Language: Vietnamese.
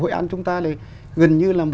hội an chúng ta là gần như là một cái